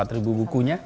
saya pengen lihat nih pak